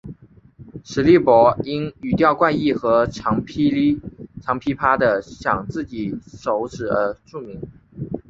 史力柏因语调怪异和常劈啪地晌自己手指而著名。